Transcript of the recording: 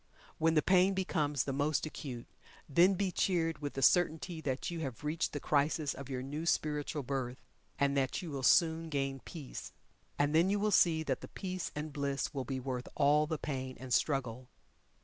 When the pain becomes the most acute, then be cheered with the certainty that you have reached the crisis of your new spiritual birth, and that you will soon gain peace. And then you will see that the peace and bliss will be worth all the pain and struggle.